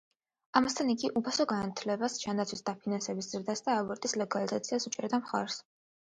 ამასთან იგი უფასო განათლებას, ჯანდაცვის დაფინანსების ზრდას და აბორტის ლეგალიზაციას უჭერდა მხარს.